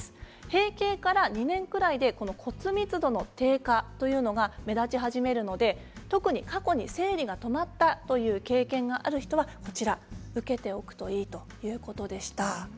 閉経から２年くらいで骨密度の低下というのが目立ち始めるので特に過去に生理が止まったという経験がある人は受けておくといいということでした。